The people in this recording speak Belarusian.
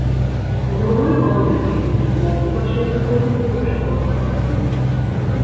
У другой палове тыдня з поўдня пачне прыходзіць больш цёплае паветра.